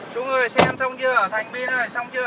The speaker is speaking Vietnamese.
trung ơi xem xong chưa thành pin rồi xong chưa